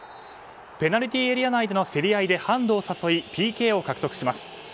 ペナルティーエリア内での競り合いでハンドを誘いＰＫを獲得します。